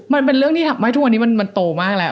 มันเป็นเรื่องที่ทำให้ทุกวันนี้มันโตมากแล้ว